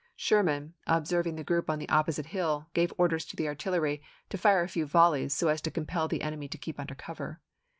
Sherman, observ ing the group on the opposite hill, gave orders to the artillery to fire a few volleys so as to compel the enemy to keep under cover.